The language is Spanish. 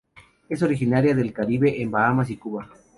Es originaria del Caribe en Bahamas y Cuba.